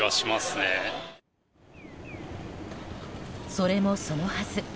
それもそのはず。